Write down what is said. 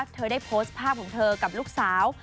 เธอได้โพสต์ภาพของเธอกับลูกสาว